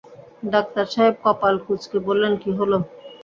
Doctor সাহেব কপাল কুচকে বললেন, কি হল?